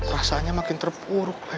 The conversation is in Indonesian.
rasanya makin terpuruk lagi